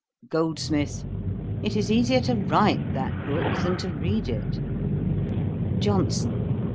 GOLDSMITH. 'It is easier to write that book, than to read it.' JOHNSON.